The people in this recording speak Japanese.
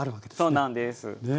そうなんです。